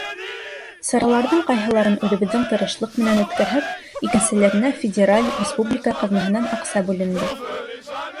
Сараларҙың ҡайһыларын үҙебеҙҙең тырышлыҡ менән үткәрһәк, икенселәренә федераль, республика ҡаҙнаһынан аҡса бүленде.